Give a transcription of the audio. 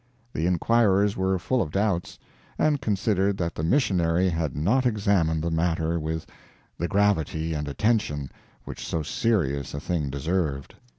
The inquirers were full of doubts, and considered that the missionary had not examined the matter with the gravity and attention which so serious a thing deserved.